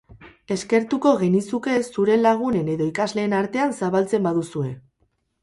Eskertuko genizuke zure lagunen edo ikasleen artean zabaltzen baduzue.